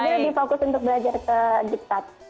ada yang lebih fokus untuk belajar ke jibtat